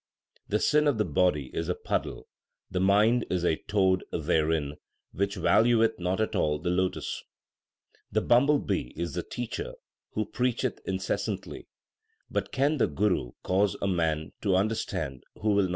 The sin of the body is a puddle, the mind is a toad therein, which valueth not at all the lotus. The bumble bee is the teacher , 3 who preacheth incessantly ; but can the guru cause a man to understand who will not understand